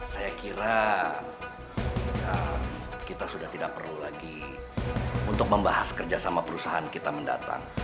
saya kira kita sudah tidak perlu lagi untuk membahas kerjasama perusahaan kita mendatang